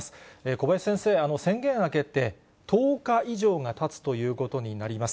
小林先生、宣言明けて１０日以上がたつということになります。